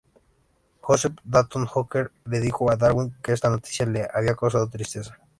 Joseph Dalton Hooker le dijo a Darwin que esta noticia le había causado tristeza.